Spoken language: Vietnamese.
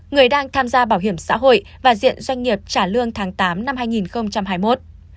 người đang tham gia bảo hiểm xã hội và diện doanh nghiệp trả lương tháng tám năm hai nghìn hai mươi một